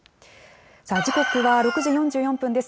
時刻は６時４４分です。